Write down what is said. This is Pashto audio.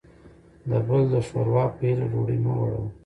دبل دشوروا په هیله ډوډۍ مه وړه وه